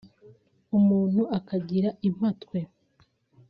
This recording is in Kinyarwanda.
umntu akagira impatwe